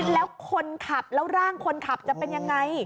แล้วคนขับแล้วร่างคนขับจะเป็นยังไง